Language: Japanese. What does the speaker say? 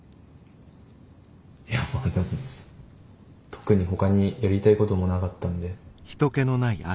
いや特にほかにやりたいこともなかったんで。